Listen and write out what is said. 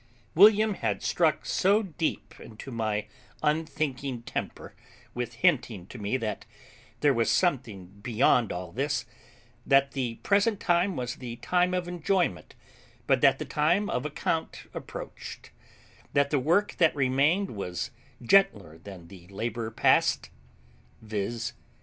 William had struck so deep into my unthinking temper with hinting to me that there was something beyond all this; that the present time was the time of enjoyment, but that the time of account approached; that the work that remained was gentler than the labour past, viz.